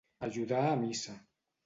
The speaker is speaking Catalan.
Ajudar a missa.